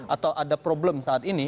atau ada problem saat ini